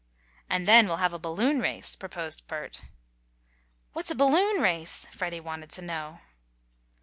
"And then we'll have a balloon race," proposed Bert. "What's a balloon race?" Freddie wanted to know.